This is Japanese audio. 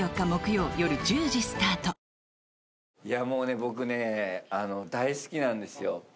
もう僕ね大好きなんですよ。